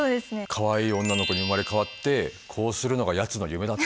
かわいい女の子に生まれ変わってこうするのがやつの夢だったんだ。